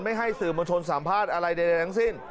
ให้สื่อมวลชนสัมภาษณ์อะไรใดทั้งสิ้น